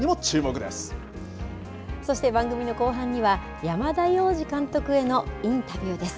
そして番組の後半には山田洋次監督へのインタビューです。